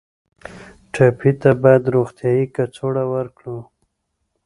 ټپي ته باید روغتیایي کڅوړه ورکړو.